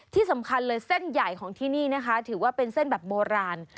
ที่สำคัญเลยเส้นใหญ่ของที่นี่นะคะถือว่าเป็นเส้นแบบโบราณ